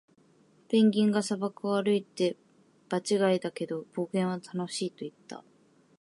ペンギンが砂漠を歩いて、「場違いだけど、冒険は楽しい！」と言った。